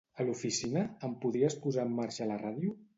A l'oficina, em podries posar en marxa la ràdio?